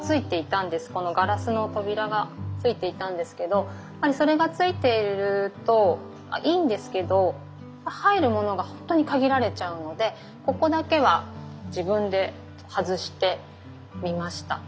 このガラスの扉がついていたんですけどそれがついているといいんですけど入るものがほんとに限られちゃうのでここだけは自分で外してみました。